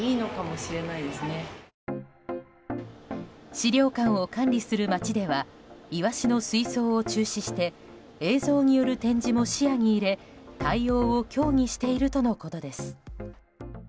資料館を管理する町ではイワシの水槽を中止して映像による展示も視野に入れ対応を協議しているとのことです。